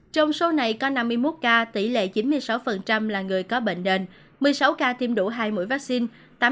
trong số này có năm mươi một ca tỷ lệ chín mươi sáu là người có bệnh nền một mươi sáu ca tiêm đủ hai mũi vaccine